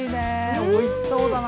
おいしそうだな。